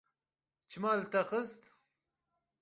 Çima li te xist?